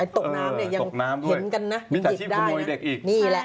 ตกน้ำเนี่ยยังเห็นกันนะพิสัยชีพขนวยเด็กอีก